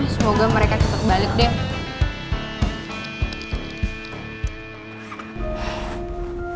semoga mereka tetap balik deh